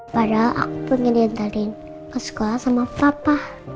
padahal aku pengen diantarin pas sekolah sama papa